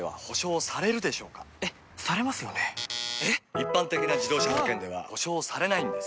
一般的な自動車保険では補償されないんです